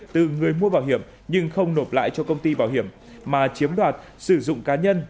từ người mua bảo hiểm nhưng không nộp lại cho công ty bảo hiểm mà chiếm đoạt sử dụng cá nhân